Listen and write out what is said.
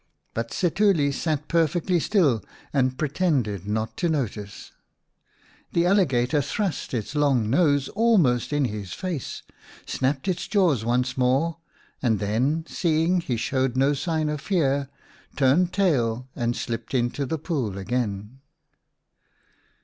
But Setuli sat perfectly still and pretended not to notice. The alligator thrust its long nose almost in his face, snapped its jaws once more, and then, seeing he showed no sign of fear, turned tail and slipped into the pool again.